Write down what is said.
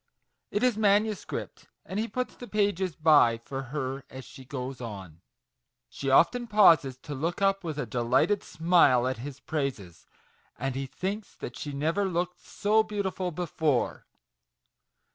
It is manuscript, and he puts the pages by for her as she goes on. She often pauses, to look up with a delighted smile at his praises, and he thinks that she never looked so beautiful before